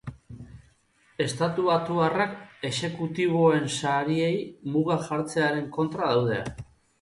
Estatubatuarrak exekutiboen sariei mugak jartzearen kontra daude.